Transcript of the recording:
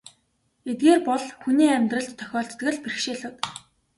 Эдгээр бол хүний амьдралд тохиолддог л бэрхшээлүүд.